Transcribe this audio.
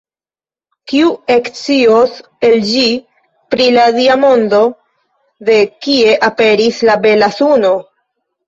Kiu ekscios el ĝi pri la Dia mondo: De kie aperis la bela suno?